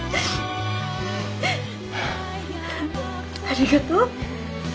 ありがとう。